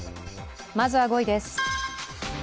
まずは５位です。